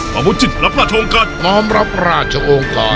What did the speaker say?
ปาวุนจินรับราชองกัน